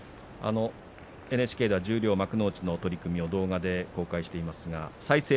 ＮＨＫでは十両幕内の取組を動画で公開していますが再生